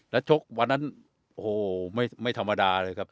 แล้วชกวันนั้นโอ้โหไม่ธรรมดาเลยครับ